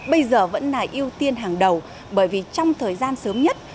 bây giờ vẫn là ưu tiên hàng đầu bởi vì trong thời gian sớm nhất